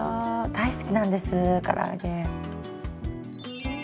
大好きなんですから揚げ。